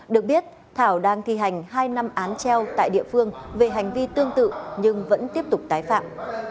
được biết thảo đang thi hành hai năm án treo tại địa phương về hành vi tương tự nhưng vẫn tiếp tục tái phạm